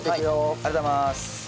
ありがとうございます。